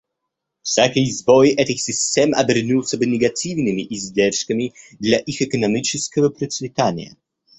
Всякий сбой этих систем обернулся бы негативными издержками для их экономического процветания.